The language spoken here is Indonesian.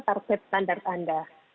kita harus menurunkan standar standar